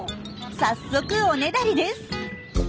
早速おねだりです。